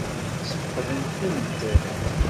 Ssfeqdent-tent?